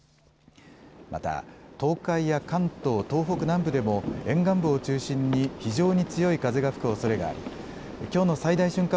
また、東海や関東、東北南部でも沿岸部を中心に非常に強い風が吹くおそれがありきょうの最大瞬間